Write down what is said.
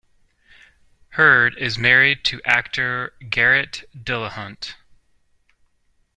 Hurd is married to actor Garret Dillahunt.